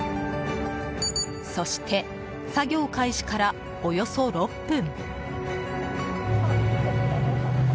そして作業開始から、およそ６分。